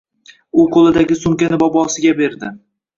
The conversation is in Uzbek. U qoʻlidagi sumkani bobosiga berdi.